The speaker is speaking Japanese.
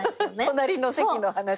隣の席の話を。